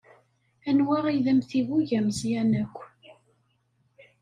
Anwa ay d amtiweg ameẓyan akk?